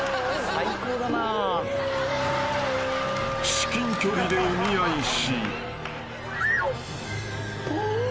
［至近距離でお見合いし］